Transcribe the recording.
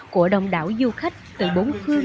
của đông đảo du khách từ bốn khương